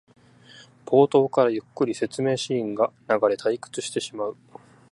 冒頭からゆっくりと説明シーンが流れ退屈してしまう